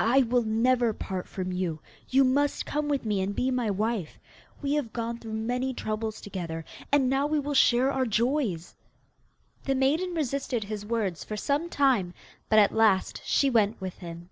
'I will never part from you. You must come with me and be my wife. We have gone through many troubles together, and now we will share our joys. The maiden resisted his words for some time, but at last she went with him.